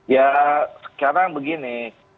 ya sekarang begini